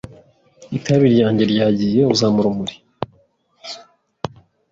Itabi ryanjye ryagiye. Uzampa urumuri?